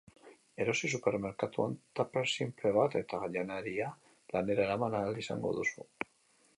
Erosi supermerkatuan tuper sinple bat eta janaria lanera eraman ahal izango duzu.